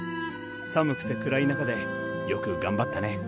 寒くてくらい中でよくがんばったね。